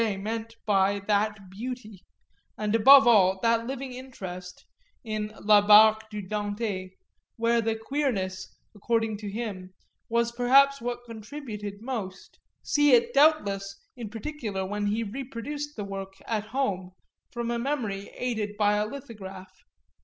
meant by that beauty and, above all, that living interest in La Barque du Dante, where the queerness, according to him, was perhaps what contributed most; see it doubtless in particular when he reproduced the work, at home, from a memory aided by a lithograph.